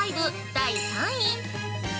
第３位。